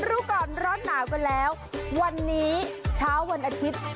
รู้ก่อนร้อนหนาวกันแล้ววันนี้เช้าวันอาทิตย์